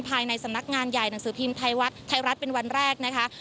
ภายในสำนักงานใหญ่หนังสือพิมพ์ไทยรัฐไทยรัฐเป็นวันแรกนะคะ